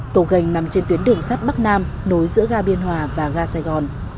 cầu gành nằm trên tuyến đường sắt bắc nam nối giữa ga biên hòa và ga sài gòn